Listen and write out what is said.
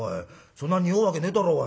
そんな臭うわけねえだろうが。